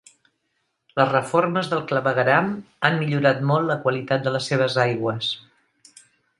Les reformes del clavegueram han millorat molt la qualitat de les seves aigües.